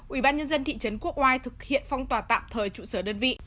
ủy ban nhân dân thị trấn quốc oai thực hiện phong tỏa tạm thời trụ sở đơn vị